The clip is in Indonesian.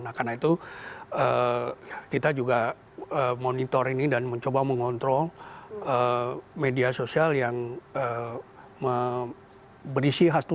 nah karena itu kita juga monitor ini dan mencoba mengontrol media sosial yang berisi hasto